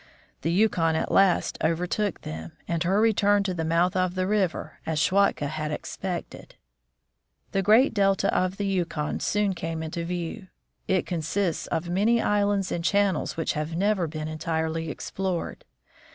The Yukon at last overtook them, LIEUTENANT SCHWATKA IN ALASKA 103 on her return to the mouth of the river, as Schwatka had expected. The great delta of the Yukon soon came into view. It consists of many islands and channels which have never been entirely explored.